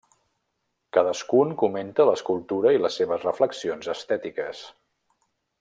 Cadascun comenta l'escultura i les seves reflexions estètiques.